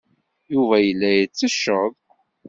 Yuba yella yettecceḍ.